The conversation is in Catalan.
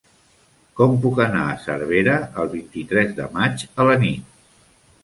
Com puc anar a Cervera el vint-i-tres de maig a la nit?